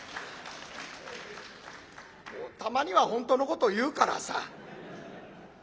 もうたまには本当のことを言うからさ。